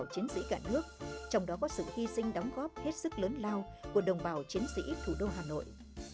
chiến sĩ thủ đô hà nội